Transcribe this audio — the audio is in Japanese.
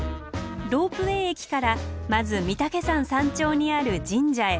ロープウエー駅からまず御岳山山頂にある神社へ。